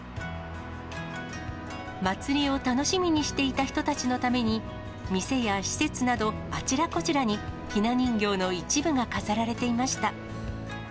祭りを楽しみにしていた人たちのために、店や施設など、あちらこちらにひな人形の一部が飾られていました。